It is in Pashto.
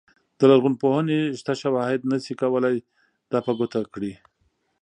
د لرغونپوهنې شته شواهد نه شي کولای دا په ګوته کړي.